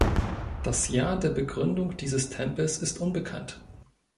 Das Jahr der Begründung dieses Tempels ist unbekannt.